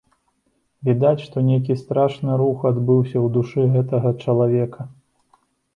Відаць, што нейкі страшны рух адбываўся ў душы гэтага чалавека.